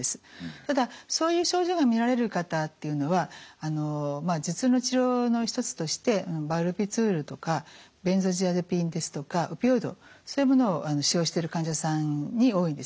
ただそういう症状が見られる方っていうのはまあ頭痛の治療の一つとしてバルビツールとかベンゾジアゼピンですとかオピオイドそういうものを使用してる患者さんに多いんですね。